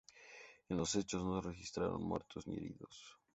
En los hechos no se registraron muertos ni heridos.